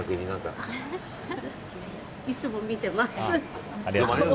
いつも見てます。